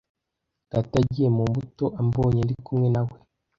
Data yagiye mu mbuto ambonye ndikumwe na we.